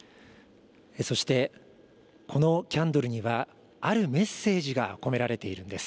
そして、このキャンドルには、あるメッセージが込められているんです。